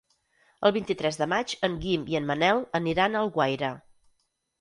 El vint-i-tres de maig en Guim i en Manel aniran a Alguaire.